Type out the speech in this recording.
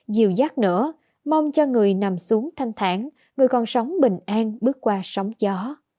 dìu dác nữa mong cho người nằm xuống thanh thản người còn sống bình an bước qua sóng gió